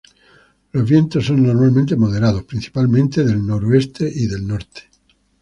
Los vientos son normalmente moderados, principalmente del noreste y del norte.